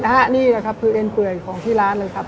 นี่แหละครับคือเอ็นเปื่อยของที่ร้านเลยครับ